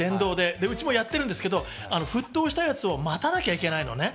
電動でお湯をうちも沸かしてるんですけど沸騰したやつを待たなきゃいけないの。